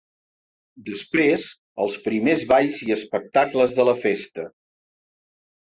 Després, els primers balls i espectacles de la festa.